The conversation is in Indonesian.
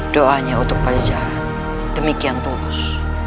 doanya untuk pajajaran mungkin tulus